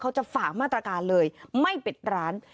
จะฝากมาตรการเลยไม่ปิดร้าน